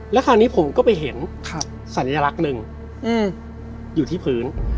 แล้วคราวนี้ผมก็ไปเห็นสัญลักษณ์หนึ่งอยู่ที่พื้น